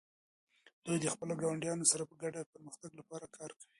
دوی د خپلو ګاونډیانو سره په ګډه د پرمختګ لپاره کار کوي.